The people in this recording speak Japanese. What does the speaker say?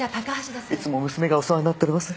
いつも娘がお世話になっております。